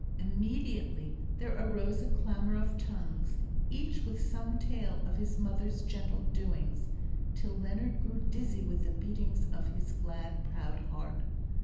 Immediately there arose a clamour of tongues, each with some tale of his mother's gentle doings, till Leonard grew dizzy with the beatings of his glad, proud heart.